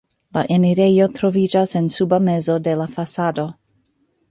La enirejo troviĝas en suba mezo de la fasado.